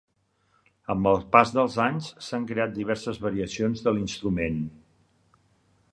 Amb el pas dels anys, s'han creat diverses variacions de l'instrument.